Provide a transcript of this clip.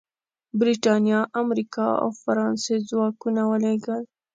برېټانیا، امریکا او فرانسې ځواکونه ولېږل.